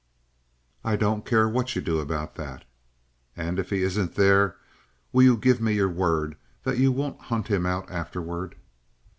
"I don't care what you do about that." "And if he isn't there, will you give me your word that you won't hunt him out afterward?"